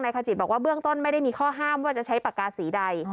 ขจิตบอกว่าเบื้องต้นไม่ได้มีข้อห้ามว่าจะใช้ปากกาสีใด